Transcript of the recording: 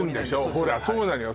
ほらそうなのよ